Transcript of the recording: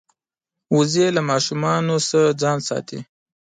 وزې له ماشومانو نه ځان ساتي